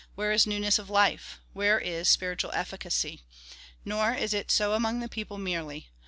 Where is newness of life ? Where is spiritual efficacy ? Nor is it so among the people merely.